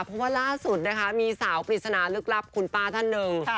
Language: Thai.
เพราะว่าล่าสุดนะคะมีสาวปริศนาลึกลับคุณป้าท่านหนึ่ง